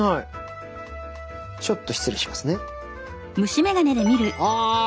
ちょっと失礼しますね。